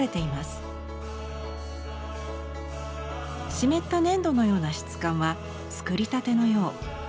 湿った粘土のような質感は作りたてのよう。